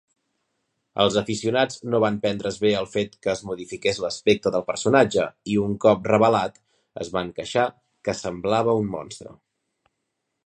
Els aficionats no van prendre's bé el fet que es modifiqués l'aspecte del personatge i, un cop revelat, es van queixar que "semblava un monstre".